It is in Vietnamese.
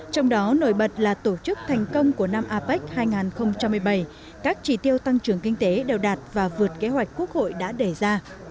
trong đó nổi bật là tổ chức thành công của năm apec hai nghìn một mươi bảy các chỉ tiêu tăng trưởng kinh tế đều đạt và vượt kế hoạch quốc hội đã đề ra